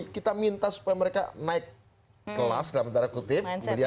kita minta supaya mereka naik kelas dalam tanda kutip